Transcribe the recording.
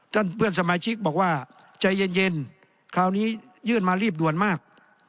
เพื่อนสมาชิกบอกว่าใจเย็นคราวนี้ยื่นมารีบด่วนมาก